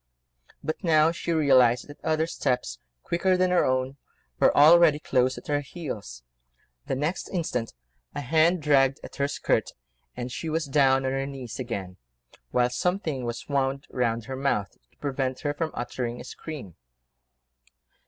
But now she realised that other steps, quicker than her own, were already close at her heels. The next instant a hand dragged at her skirt, and she was down on her knees again, whilst something was wound round her mouth to prevent her uttering a scream.